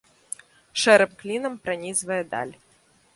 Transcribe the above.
Шэрым клінам пранізвае даль.